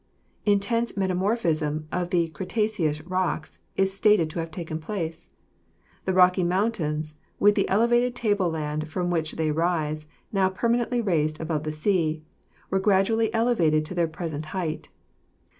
"Intense metamorphism of the Cretaceous rocks is stated to have taken place. The Rocky Mountains, with the ele vated table land from which they rise, now permanently raised above the sea, were gradually elevated to their pres ent height.